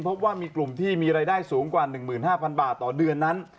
พบว่ามีกลุ่มที่มีรายได้สูงกว่า๑๕๐๐บาทต่อเดือนนั้น